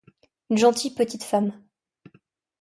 Une gentille petite femme.